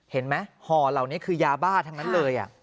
เห็นไหมห่อเหล่านี้คือยาบ้าทั้งนั้นเลย